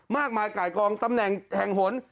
มากมายไก่กองตำแหน่งแห่งหน